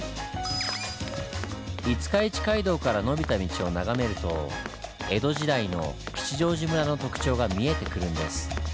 五日市街道から延びた道を眺めると江戸時代の吉祥寺村の特徴が見えてくるんです。